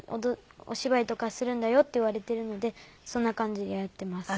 「お芝居とかするんだよ」って言われてるのでそんな感じでやってます。